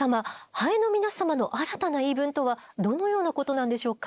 ハエの皆様の新たな言い分とはどのようなことなんでしょうか？